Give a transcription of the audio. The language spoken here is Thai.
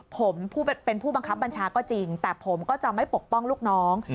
ผมเป็นผู้บังคับบัญชาก็จริงแต่ผมก็จะไม่ปกป้องลูกน้อง